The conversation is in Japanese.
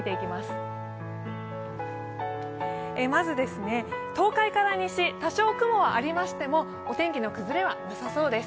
まず東海から西、多少雲はありましてもお天気の崩れはなさそうです。